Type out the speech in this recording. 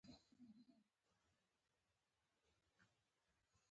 زموږ هیواد افغانستان په ویاړ سره د نورستان ولایت کوربه دی.